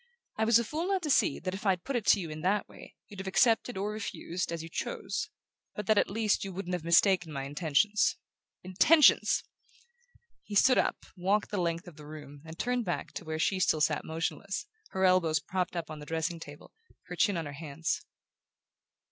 I was a fool not to see that if I'd put it to you in that way you'd have accepted or refused, as you chose; but that at least you wouldn't have mistaken my intentions. Intentions!" He stood up, walked the length of the room, and turned back to where she still sat motionless, her elbows propped on the dressing table, her chin on her hands.